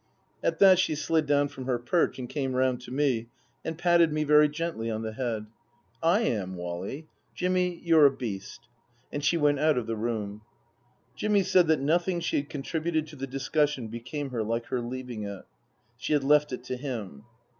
At that she slid down from her perch and came round to me and patted me very gently on the head. Book II : Her Book 165 "/ am, Wally. Jimmy, you're a beast." And she went out of the room. Jimmy said that nothing she had contributed to the discussion became her like her leaving it. She had left it to him.